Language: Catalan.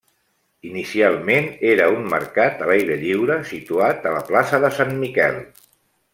Inicialment era un mercat a l'aire lliure situat a la plaça de Sant Miquel.